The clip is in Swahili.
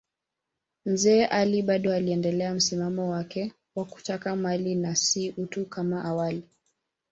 Mzee Ali bado aliendelea msimamo wake wa kutaka mali na si utu kama awali.